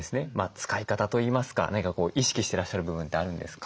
使い方といいますか何か意識してらっしゃる部分ってあるんですか？